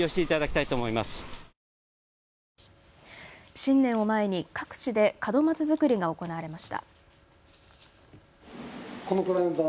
新年を前に各地で門松作りが行われました。